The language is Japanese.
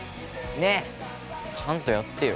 ねえちゃんとやってよ